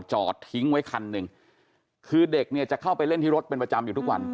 จอดทิ้งไว้คันหนึ่งคือเด็กเนี่ยจะเข้าไปเล่นที่รถเป็นประจำอยู่ทุกวัน